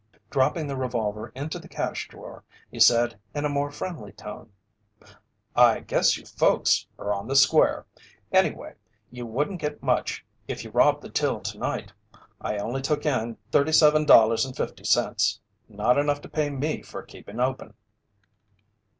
Dropping the revolver into the cash drawer, he said in a more friendly tone: "I guess you folks are on the square. Anyway, you wouldn't get much if you robbed the till tonight. I only took in $37.50. Not enough to pay me for keeping open."